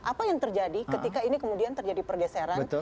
apa yang terjadi ketika ini kemudian terjadi pergeseran